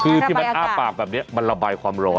คือที่มันอ้าปากแบบนี้มันระบายความร้อน